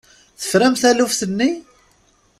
Tefram taluft-nni?